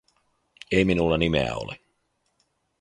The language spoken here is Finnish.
"Ei minulla nimeä ole.